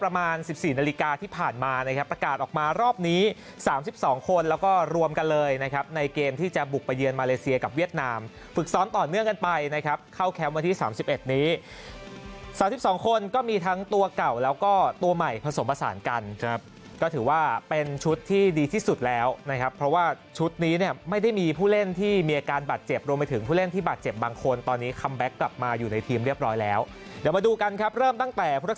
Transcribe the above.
มารอบนี้๓๒คนแล้วก็รวมกันเลยนะครับในเกมที่จะบุกประเยียนมาเลเซียกับเวียดนามฝึกซ้อนต่อเนื่องกันไปนะครับเข้าแคมป์วันที่๓๑นี้๓๒คนก็มีทั้งตัวเก่าแล้วก็ตัวใหม่ผสมผสานกันครับก็ถือว่าเป็นชุดที่ดีที่สุดแล้วนะครับเพราะว่าชุดนี้ไม่ได้มีผู้เล่นที่มีอาการบาดเจ็บรวมไปถึงผู้เล่นที่บาดเ